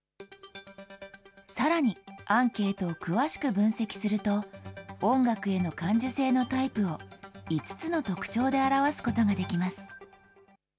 さらに、アンケートを詳しく分析すると、音楽への感受性のタイプを５つの特徴で表すことができます。